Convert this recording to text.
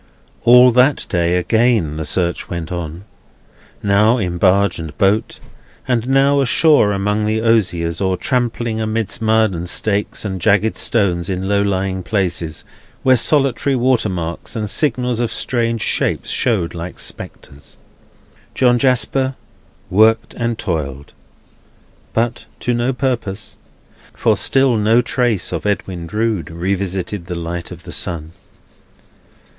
All that day, again, the search went on. Now, in barge and boat; and now ashore among the osiers, or tramping amidst mud and stakes and jagged stones in low lying places, where solitary watermarks and signals of strange shapes showed like spectres, John Jasper worked and toiled. But to no purpose; for still no trace of Edwin Drood revisited the light of the sun.